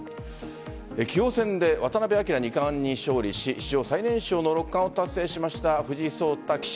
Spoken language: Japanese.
棋王戦で渡辺明二冠に勝利し史上最年少の六冠を達成しました藤井聡太棋士。